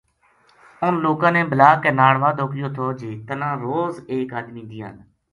اُنھ لوکاں نے بلا کے ناڑ وعدو کیو تھو جی تنا روز کو ایک آدمی دیاں گا